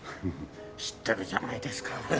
知ってるじゃないですか。